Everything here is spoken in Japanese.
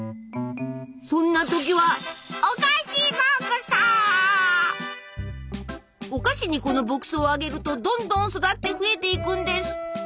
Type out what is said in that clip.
そんな時はお菓子にこの牧草をあげるとどんどん育って増えていくんです。